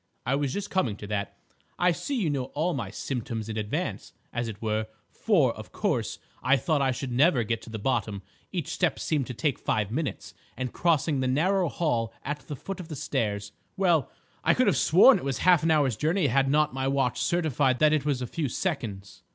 "I was just coming to that. I see you know all my 'symptoms' in advance, as it were; for, of course, I thought I should never get to the bottom. Each step seemed to take five minutes, and crossing the narrow hall at the foot of the stairs—well, I could have sworn it was half an hour's journey had not my watch certified that it was a few seconds.